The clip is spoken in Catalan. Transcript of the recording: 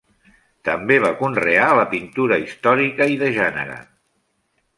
També va conrear la pintura històrica i de gènere.